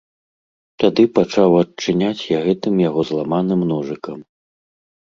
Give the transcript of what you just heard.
Тады пачаў адчыняць я гэтым яго зламаным ножыкам.